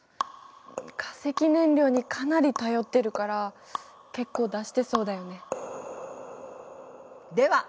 化石燃料にかなり頼ってるから結構出してそうだよね。